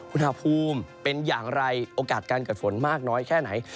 อุณหภูมิเป็นอย่างไรโอกาสการเกิดฝนมากน้อยแค่ไหน